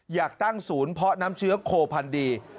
อยากตั้งศูนย์เพาะน้ำเชื้อโคพันธ์ดี